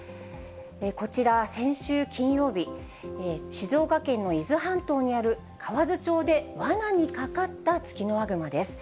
こちら、先週金曜日、静岡県の伊豆半島にある河津町でわなにかかったツキノワグマです。